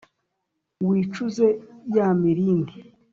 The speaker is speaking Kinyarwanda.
wicuze ya mirindi,